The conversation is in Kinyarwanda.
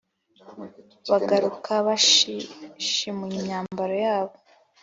bagaruka bashishimuye imyambaro yabo,